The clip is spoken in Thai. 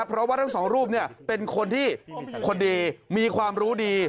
เพราะว่าทั้งสองรูปเป็นคนที่คนดีมีความรู้ดี